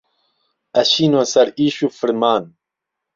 ئەچینۆ سەر ئیش و فرمان